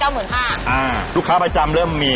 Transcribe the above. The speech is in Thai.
อ้างลูกค้าประจำเริ่มมี